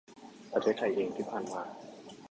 ประเทศไทยเองที่ผ่านมา